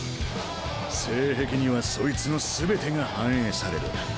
性癖にはそいつの全てが反映される。